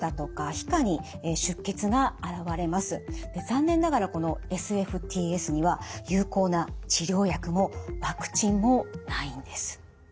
残念ながらこのＳＦＴＳには有効な治療薬もワクチンもないんです。